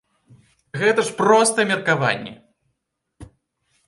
Гэта ж проста меркаванні!